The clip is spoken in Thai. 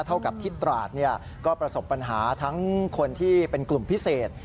เท่ากับที่ตราดก็ประสบปัญหาทั้งคนที่เป็นกลุ่มพิเศษ